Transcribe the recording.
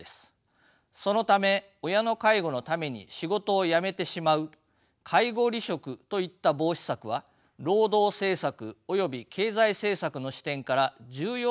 そのため親の介護のために仕事を辞めてしまう介護離職といった防止策は労働政策および経済政策の視点から重要な施策と位置づけられます。